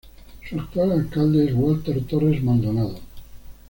Su actual alcalde es Walter Torres Maldonado.